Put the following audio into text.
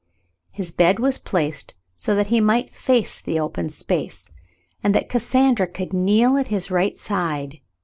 His bed was placed so that he might face the open space, and that Cassandra could kneel at his right side.